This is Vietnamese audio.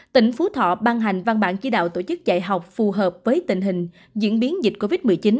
tỉnh phú thọ ban hành văn bản chỉ đạo tổ chức dạy học phù hợp với tình hình diễn biến dịch covid một mươi chín